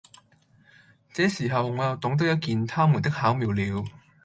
這時候，我又懂得一件他們的巧妙了。